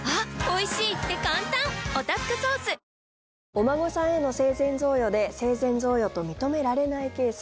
お孫さんへの生前贈与で生前贈与と認められないケース。